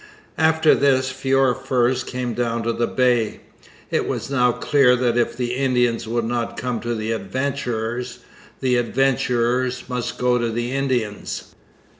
After this fewer furs came down to the Bay. It was now clear that if the Indians would not come to the adventurers, the adventurers must go to the Indians.